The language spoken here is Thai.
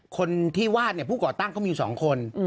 คนที่วาดผู้ก่อตั้งก็มี๒คน